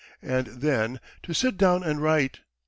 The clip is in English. . and then to sit down and write.